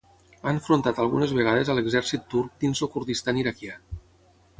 Ha enfrontat algunes vegades a l'exèrcit turc dins el Kurdistan iraquià.